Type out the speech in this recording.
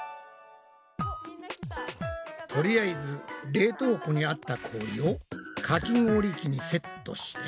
とりあえず冷凍庫にあった氷をかき氷器にセットして。